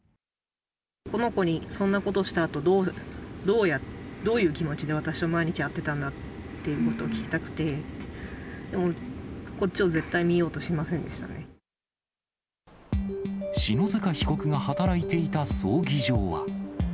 この子にそんなことしたあと、どういう気持ちで、私に毎日会ってたんだっていうことを聞きたくて、でもこっちを絶篠塚被告が働いていた葬儀場は。